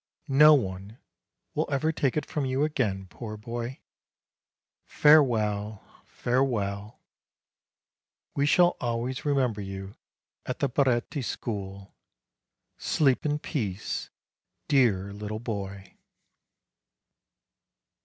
No one will ever take it from you again, poor boy! Farewell, farewell! We shall always remember you at the Baretti School! Sleep in peace, dear little boy!